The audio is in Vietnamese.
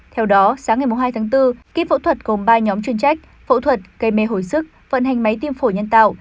theo đó sáng ngày hai tháng bốn kiếp phẫu thuật gồm ba nhóm chuyên trách phẫu thuật cây mê hồi sức vận hành máy tiêm phổi nhân tạo